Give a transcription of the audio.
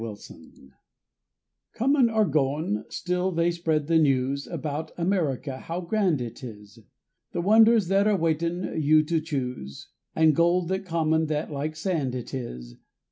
THE STAY AT HOME Comin' or goin' still they spread the news, About America how grand it is, The wonders that are waitin' you to choose And gold that common that like sand it is.